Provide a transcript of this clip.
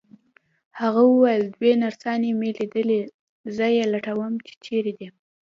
هغه وویل: دوې نرسانې مي لیدلي، زه یې لټوم چي چیري دي.